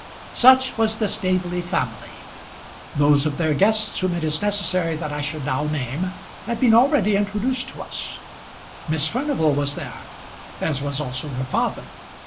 Such was the Staveley family. Those of their guests whom it is necessary that I should now name, have been already introduced to us. Miss Furnival was there, as was also her father.